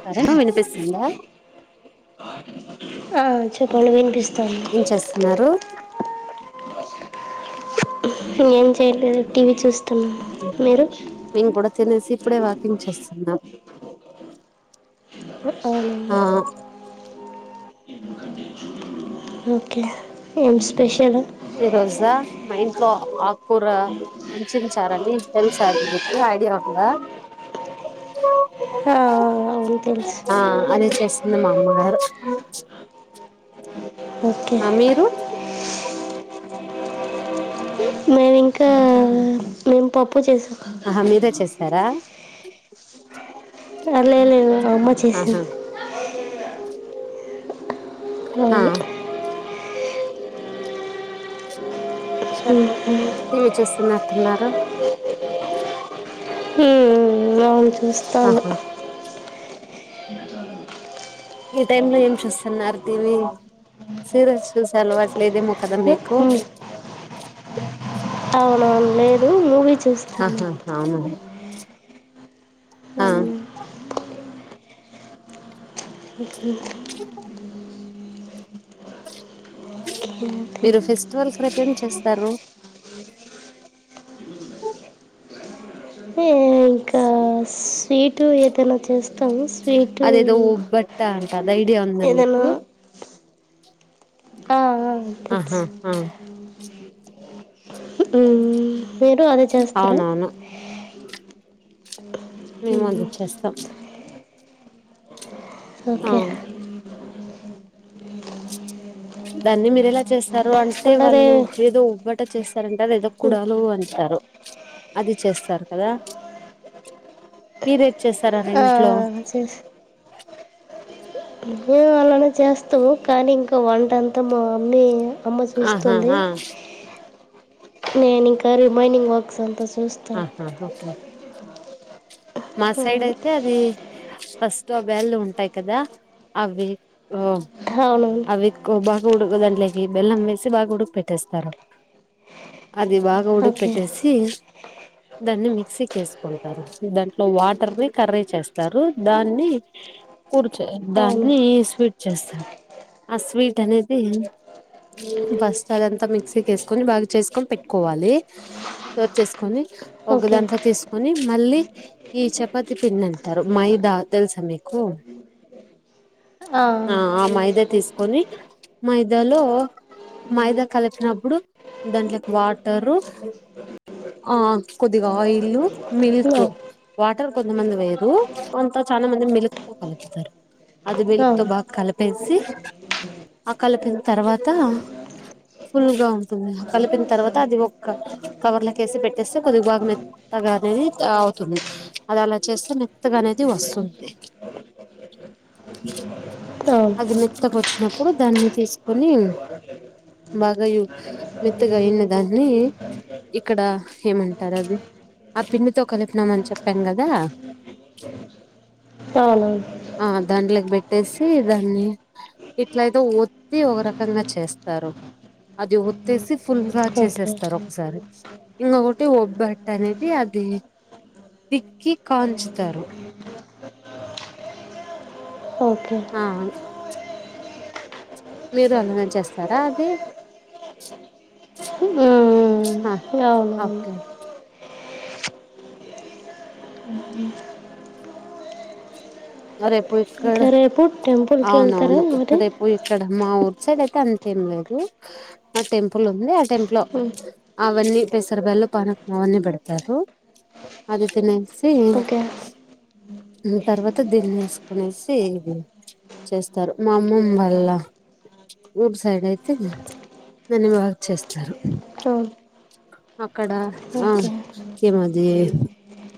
చెారే నువ్వు వినిపిస్తుందా ఆ చెప్పండి వినిపిస్తా ఏం చేస్తున్నారు నం చేయలేదు టీ వి చూస్త మేము కూడా తినేసి ఇప్పుడే వాకింగ్ చేస్తున్నాం అవున్ ఆ ఓకే ఏం స్పెషల్ ఈ రోజా మైం కూ వంచంచారడి ఎల్సా అది వికి ఐడియా వందా ఆ అవును తెలుసు అ మా అమ్మగారు ఓకే ఆ మీరు మేమి ఇంకా మేము పప్పు చేసాం ఆహా మీరే చేశారా లేలేదు అమ్మ చేసాం ఆహా ఇ ఆ అవును ఉమ్, [unintelligible] పోతున్నారా [unintelligible] చూస్తన్న ఆహా ఈ టైమ్ లో ఏం చూస్తున్నారు టీవీ సీరియల్స్ చూస అలవాట్లేద మొ కదా మీకు అవున అవును లేదు మూవీ చూస్తున్నాను ఆహా అవున ఆ అవును [unintelligible] ఓకే, [inaudible] ఓకే మీరు ఫెస్టివల్ ప్రెసెంట్ చేస్తారు. ఏం క్లాస్ సీటు ఏదైనా చేస్తే అదేదో ఉబ్బట్ట అంటది ఐడియా ఉంది మీకు ఏదైనా ఆహా అ ఆ [unintelligible] మ్మ్. మీరు అదే చేస్తార అవునవును మేము మ్మ్. అదే చేస్తాం ఆ ఓకే దాన్ని మీర ఎలా చేస్తారు అంటే ట్టే అలాగే వాళ్లు ఏదో ఉబ్బట్ అట్ట చేస్తారంటే అది ఏదో మ్మ్. కుడాలు అంటారు. అది చేస్తారు కదా మీరేది చేస్తారా రండి. త అలానే చేస్తాము కానీ ఇంకా వంట అంతా మా మమ్మీ అమ్మ ఆహా చూస్తుంది. ఆ నేనింకా రిమైనింగ్ వర్క్స్ అంత ఆహా ఒకే మా సైడ్ మ్మ్. అయితే అది ఫస్ట్ బ్యాల్లు ఉంటాయి కదా అవి ఓ అవును అవి బా ఉడుకు దాంట్లోకి బెల్లం వేసి బాగా ఉడుకు పెట్టేస్తారు. అది బాగా ఓకే ఉడికిపెట్టేసి దాన్ని మిక్సీ చేసుకుంటారు దా ఇట్లో వాటర్ ని కర్రీ చేస్తారు దాన్ని కూర్చ అవును దాన్ని స్వీట్ చేస్తారు ఆ స్వీట్ అనేది బస్ అదంతా మిక్సీకి వేసుకొని బాగా చేసుకొని పెట్టుకోవాలి త చేసుకొని ఓకే ఒకదాంట్లో తీసుకుని మళ్ళీ ఈ చపాతి పిన్న అంటారు మైదా తెలుసా మీకు ఆ ఆ మైదా తీసుకొని మైదాలో మైదా కలిపినప్పుడు దాంట్లోకి వాటరు ఆ కొద్దిగా ఆయిల్ ఆ, మిల్క్ వాటర్ కొంతమంది వేయరు కొంత చాలా మంది మిల్క్ త కలుపుతారు అది మిలుక్ తతో అవును బాగా కలిపేది ఆ కలిపిన తర్వాత ఫుల్గా ఉంటుంది ఆ కలిపిన తర్వాత అది ఒక కవర్లక వేసి పెట్టేస్తే కొద్దిగా బాగ మెత్తగా అనేది అవుతుంది అది అలా చేస్తే మెత్తగా అనేది వస్తుంది అవును అది మెత్తకు వచ్చినప్పుడు దాన్ని తీసుకొని బాగా మెత్తగా అన దాన్ని ఇక్కడ ఏమంటారు అది ఆ పిండితో కలిపినామని చెప్ రంగద అవునవును ఆ దాంలకి బట్ ట్టసి దాన్ని ఇట్లాయితే ఒత్తి ఒక రకంగా చేస్తారు అది ఒత్తేసి ఫుల్గా ఓకే చేసేస్తారు ఒకసారి ఇంకకటి ఒబ్బట్ అనేది అది దిక్కి కాంచుతారు ఓకే ఆ మీరు ఎలానా చేస్తారా అది మ్మ్. అవునవును ఓకే సరే పోయి ఇక్కడ ఇంకా రేపు టెంపుల్కి వెళ్తారా అవునవును మరి రేపు ఇక్కడమ్ మా ఊరు సైడ్ అయితే అంతేం లేదు ఆ టెంపుల్ ఉంది టెంప్లో ఉమ్, అవన్నీ పెసర బ్యాల్లో పానక మావన్నీ పెడతారు అదైతే నను స ఓకే తర్వాత దిన్నేసుకునేసి ఇది చేస్తారు మా అమ్మమ్ వాళ్ళ ఊరు సైడ్ అయితే దన్ని బక్ చేస్తారు అవును అక్కడ ఆ ఓకే ఏమది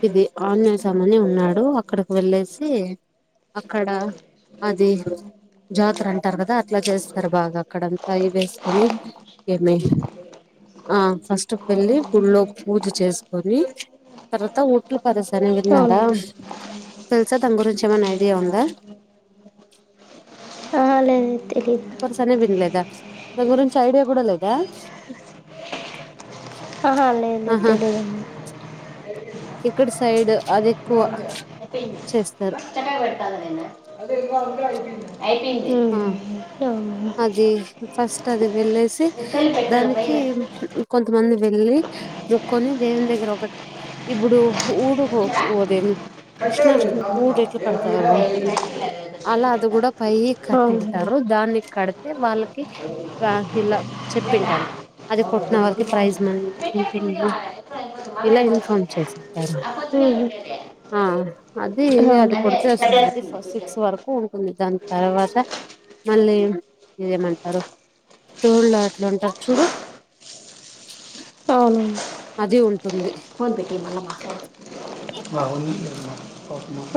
ఇది ఆజసమని ఉన్నాడు అక్కడికి వెళ్ళేసి అతే అక్కడ అది జాతర అంటారు కదా అట్లా చేస్తారు బాగా అక్కడంతా అయి వేసుకొని ఏమి ఆ ఫస్ట్ వెళ్ళి గోపూజ చేసుకొని తర్వాత ఒట్లు పరస అని అవును విన్నారా సార్ దాన గురించి ఏమైనా ఐడియా ఉందా ఆహా, లేదు లేదు, తెలీదు పసనే పనలే దా న గురించి ఐడియా కూడాడల ఇదా హా లేదు లేదు తెలిగడి ఇక్కడ సైడ్ అది ఎక్కువ చేస్తారు పెతా అే యిడి వో అజ ఫస్ట్ అది వెళ్ళ దానికి కొ కొంతమంది వెళ్ళి మొక్కొని దేవుని దగ్గర ఒక ఇప్పుడు ఊడు ఉదే కృష్ణాష్టమికి ఊడు ఎట్లా కడతారు అలా అది కూడా పై కట్టింటారు దాన్ని కడితే వాళ్ళకి ఇలా చెప్పింటారు అది కొట్టిన అవునండి వాళ్ళకి ప్రైజ ఇలా ఇన్ఫార్మ్ చేసింటారు అది అవును కొడితే వస్తుంది సిక్స్ వరకు ఉకుంది దాని తర్వాత మళ్ళీ ఇదేమంటారు తోళ్ళ అట్లు ఉంటారు చూడు అదే ఉంటు ద్బట్టి మన మా మవుని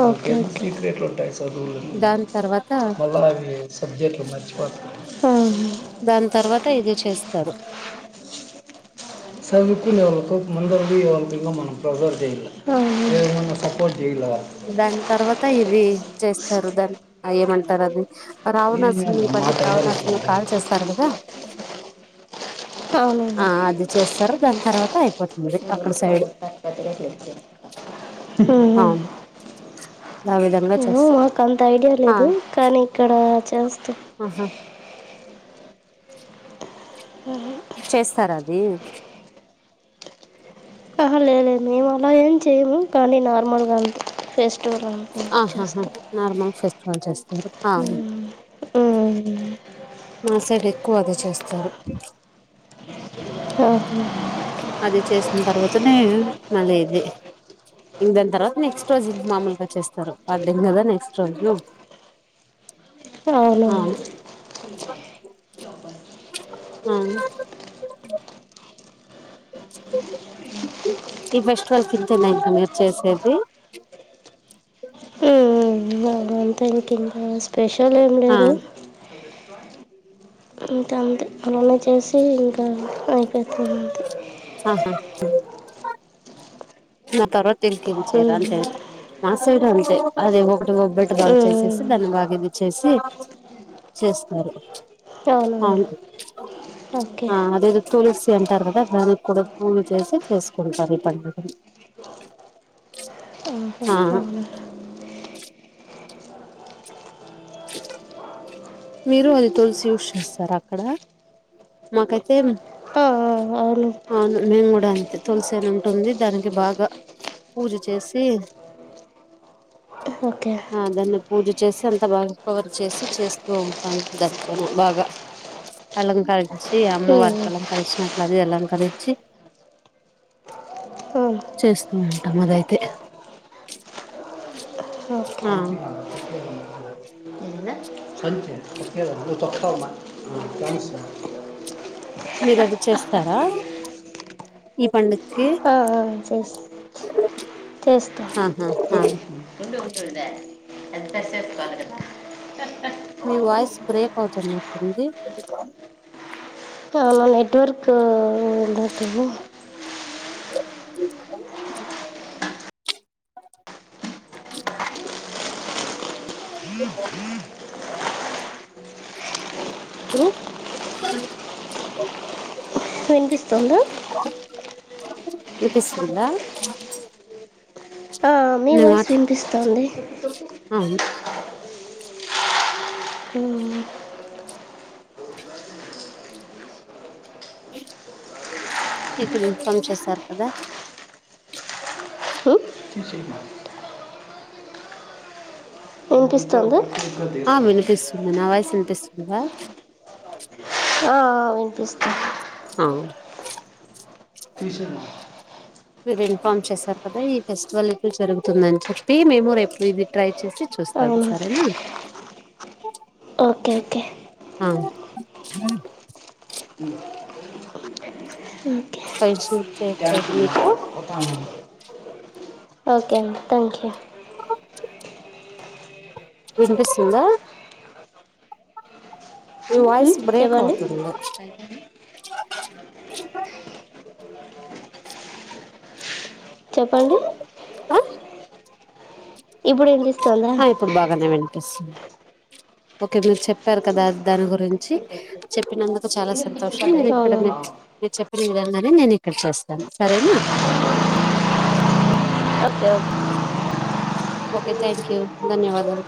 ఓకేట్లు ఉంటాయి చదువు దాని తర్వాత మళ్ళీ అవి సబ్జెక్ట్లు మర్చిపోడుతుయి దాని తర్వాత ఇది చేస్త సర సకు ఎవళలకు ముందవ మనం ప్రిసర్వ్ చేయ మ సపోర్ట్ చేయాలి వాళ్ళకి దాని తర్వాత ఇ అది చేస్తారు దాన్ని ఏమంటారు అది ఏం రావణాసుని చేద్దాం మా పండుగ తయారు రావణాసుని ఇట్లుంది కాల్ చేస్తారు కదా అ ఆ అది చేస్తారు దాన్ని లుస్తా త అవును ఆ విధంగా చేస్త మాకు అంత ఐడియా ఆ లేదు కానీ ఇక్కడ స ఆహా చేస్తారు అది లేలేదు మేము అలా ఏం చేయము కానీ నార్మల్గా ఫేస్ ఆహాహా నార్మల్ ఫెస్టివల్ చేస్తారు ఉమ్. ఉమ్. మా సైడ్ ఎక్కువ అది చేస్తారు ఆహా. అదే చేసిన తర్వాత నే మళ ఇది ఇింగ్ దన్ తర్వాత నెక్స్ట్ రోజ్ ఇ మామూలుగా స్తారు పర్డం కదా నెక్స్ట్ రోజులు అవును ఆ ఉమ్. అవును ఈ ఫెస్టివల్ కి ఇంతేనా ఇంక మీరు చేసేది అవును, అంతే ఇంకా స్పెషల్ ఏం ఆ లేదు ఇంక అంతే అలానే చేసి ఇంకా ఆ [inaudible] ఆహా దాన్ తర్వ ఇంకేం చెయ్యరా అంతేనా నా సైడ్ అంతే అది ఒకటి ఒబ్బట్ బాగా చేసేసి దాన్ని బాగా ఇది చేసి చేస్తారు అవునవును అవును ఓకే ఆ అదేదో తులసి అంటారు కదా దానిక్కుడా పూజ చేసి చేసుకుంటారు ఈ పండుగను ఆహా, ఆ అవును మీరు అది తులసి యూస్ చేస్తారు అక్కడ మాకైతే ఆ, ఆ, అవును అవును మేంగూడ అంతే తులసి అని ఉంటుంది దానికి బాగా పూజ చేసి ఓకే ఆ ధన్య పూజ చేసి అంత బాగా పవర్ చేసి చేస్త ూ ఉంటాం దన బాగా కలంకరించి అమ్మవారి అవును కలంకలిరించి అట్లాడిది అలంకరించి చేస్తూ ఉంటాం అదైతే ఓకే ఆ సంచి కాదు, తొక్కేదమ్మా. దొరకోమాకు మీరది చేస్తారా ఈ పండక్కి ఆ, ఆ, చేస్- చేస్తా మీ వాయిస్ బ్రేక్ అవుతున్నట్టుంది [unintelligible] నెట్వర్క్ ఉండట్లేడు [inaudible] త్రు [inaudible] వినిపిస్తుందా వినిపిస్తుందా మీ నేను వాయిస్ మాట్లా వినిపిస్తోంది ఆ ఉమ్ ఇక్కడ పని చేశారు కదా తీసేయమ్మా వినిపిస్తోందా ఆ వినిపిస్తుంది నా వయస్ వినిపిస్త్ కదా ఆ ఆ వినిపిస్తుంది ఆ తీశిన మీరు ఇన్ఫార్మ్ చేశారు కదా ఈ ఫెస్టివల్ ఎప్పుడు జరుగుతుందని చెప్పి మేము రేపు ఇది ట్రై చ్చేసి చూస్తాను అవునా సరేనా ఓకే ఓకే ఆ అను క చేయచ్చ [unintelligible] మీకు ఒ [unintelligible] ఓకే అండి థ్యాంక్ యూ ఇనిపిస్తుందా నీ వాయిస్ హ్మ్, బ్రేక్ చెప్పండి అవుతుంది [inaudible] చెప్పండి ఆ ఇప్పుడు ఎంటి ఆపోప్పుడు బగానే వెండి ఓకే మీరు చెప్పారు కదా దాని గురించి చెప్పినందుకు చాలా సంతో షం మీరు ఇక్కడ అవునా మీ చెప్ప విధంగానే నేను ఇక్కడ చేస్తాను సరేనా అ ఓకే థ్యాంక్ యూ ధన్యవాదాలు